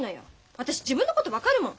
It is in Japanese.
私自分のこと分かるもん。